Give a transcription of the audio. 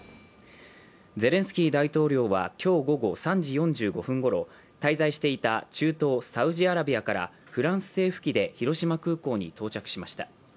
ゼレンスキー大統領は今日午後３時４５分ごろ滞在していた中東サウジアラビアからフランス政府機で広島空港に到着しました。